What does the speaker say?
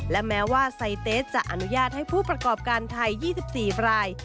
และแม้ว่าไซเตสจะอนุญาตให้ผู้ประกอบการไทย๒๔ราย